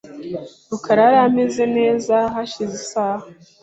rukara yari ameze neza hashize isaha .